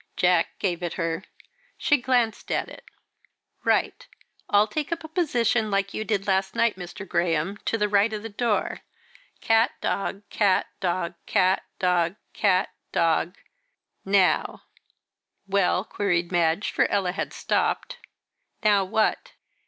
Jack gave it her. She glanced at it. "'Right' I'll take up a position like you did last night, Mr. Graham, to the right of the door; 'cat dog cat dog cat dog cat dog ' now " "Well?" queried Madge, for Ella had stopped. "Now what?"